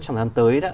trong tháng tới đó